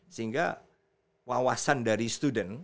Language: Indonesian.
sehingga wawasan dari student